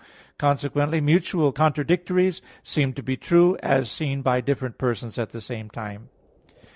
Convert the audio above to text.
Consequently mutual contradictories seem to be true as seen by different persons at the same time.